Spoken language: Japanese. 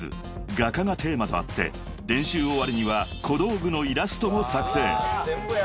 ［画家がテーマとあって練習終わりには小道具のイラストも作成］